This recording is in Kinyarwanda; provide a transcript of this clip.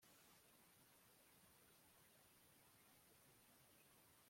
uhoraho ahindira mu ijuru nk'inkuba zesa